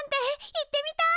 行ってみたい！